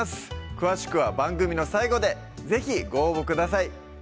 詳しくは番組の最後で是非ご応募ください